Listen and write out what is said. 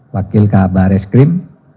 wakil kabar reskrim